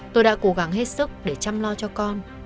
tôi đã cố gắng hết sức để chăm lo cho con